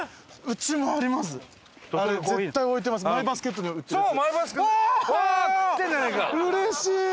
うれしい！